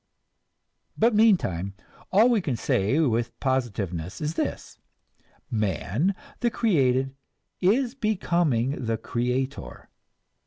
But meantime, all we can say with positiveness is this: man, the created, is becoming the creator.